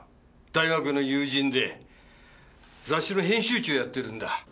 大学の友人で雑誌の編集長やってるんだ。